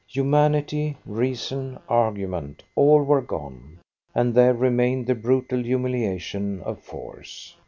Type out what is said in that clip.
Humanity, reason, argument all were gone, and there remained the brutal humiliation of force.